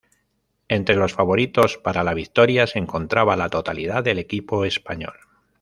Entre los favoritos para la victoria se encontraba la totalidad del equipo español.